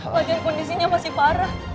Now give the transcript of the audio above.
lagi kondisinya masih parah